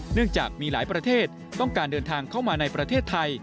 เนื่องจากมีหลายประเทศต้องการเดินทางเข้ามาในประเทศไทย